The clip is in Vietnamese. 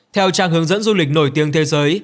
theo trang hướng dẫn du lịch nổi tiếng thế giới